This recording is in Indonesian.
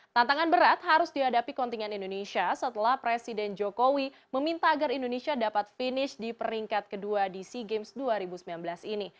tantangan berat harus dihadapi kontingen indonesia setelah presiden jokowi meminta agar indonesia dapat finish di peringkat kedua di sea games dua ribu sembilan belas ini